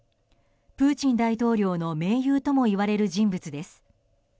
プーチン大統領の盟友ともいわれる人物です。